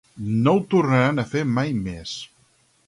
No ho tornarem a fer mai més.